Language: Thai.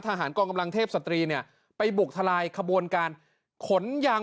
ทหารกองกำลังเทพสตรีเนี่ยไปบุกทลายขบวนการขนยาง